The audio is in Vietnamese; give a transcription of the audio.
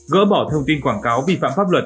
gỡ bỏ thông tin quảng cáo vi phạm pháp luật